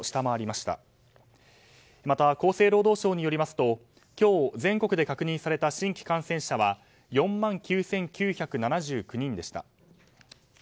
また、厚生労働省によりますと今日、全国で確認された新規感染者は４万９９７９人でした。